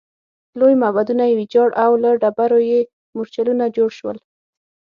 لوی معبدونه یې ویجاړ او له ډبرو یې مورچلونه جوړ شول